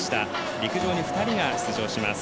陸上に２人が出場します。